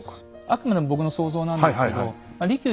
あくまでも僕の想像なんですけど利休